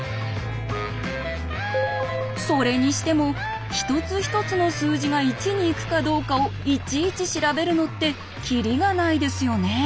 それにしても一つ一つの数字が１に行くかどうかをいちいち調べるのってキリがないですよね。